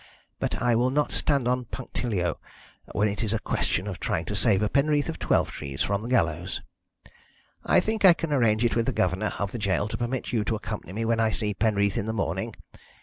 But I will not stand on punctilio when it is a question of trying to save a Penreath of Twelvetrees from the gallows. I think I can arrange it with the governor of the gaol to permit you to accompany me when I see Penreath in the morning.